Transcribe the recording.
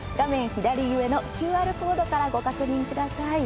左上のＱＲコードからご確認ください。